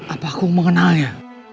apa aku mengenalnya